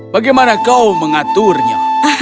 bagaimana kau mengaturnya